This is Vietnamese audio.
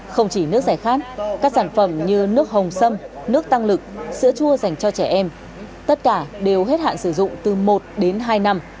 không chỉ nước giải khát các sản phẩm như nước hồng sâm nước tăng lực sữa chua dành cho trẻ em tất cả đều hết hạn sử dụng từ một đến hai năm